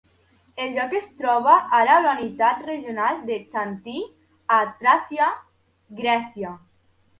El lloc es troba ara a la unitat regional de Xanthi a Tràcia, Grècia.